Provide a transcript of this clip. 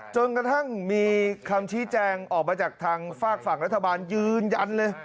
จนกระทั่งมีคำชี้แจงออกมาจากทางฝากฝั่งรัฐบาลยืนยันเลย